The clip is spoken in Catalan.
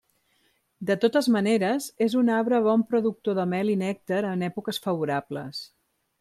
De totes maneres és un arbre bon productor de mel i nèctar en èpoques favorables.